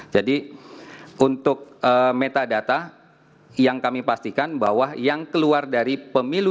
jadi untuk metadata yang kami pastikan bahwa yang keluar dari pemilu